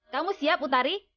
kamu siap utari